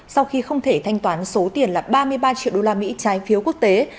để thanh toán số tiền là ba mươi ba triệu đô la mỹ trái phiếu quốc tế